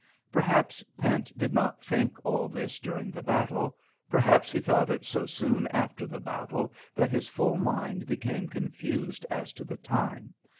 Perhaps Pent did not think all this during the battle. Perhaps he thought it so soon after the battle that his full mind became confused as to the time.